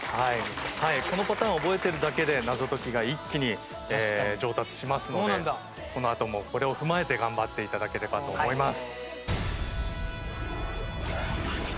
このパターンを覚えてるだけで謎解きが一気に上達しますのでこのあともこれを踏まえて頑張って頂ければと思います。